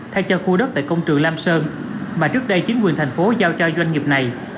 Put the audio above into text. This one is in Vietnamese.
thay cho khu đất tại công trường lam sơn mà trước đây chính quyền thành phố giao cho doanh nghiệp này